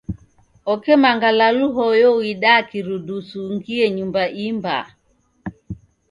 Oke mangalalu hoyo uidaa kirudusu ungie nyumba i mbaa.